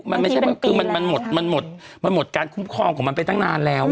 มันหมดการคุ้มครองของมันไปตั้งนานแล้ว